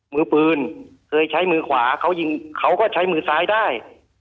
มือปืนเคยใช้มือขวาเขายิงเขาก็ใช้มือซ้ายได้